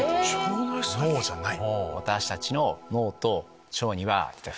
脳じゃない。